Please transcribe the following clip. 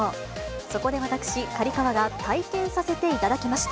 そこで私、刈川が体験させていただきました。